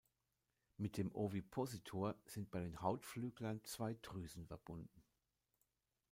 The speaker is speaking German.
Mit dem Ovipositor sind bei den Hautflüglern zwei Drüsen verbunden.